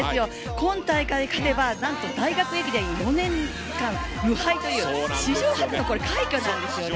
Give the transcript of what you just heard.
今大会勝てば、なんと大学駅伝４年間無敗という史上初の快挙じゃないですか。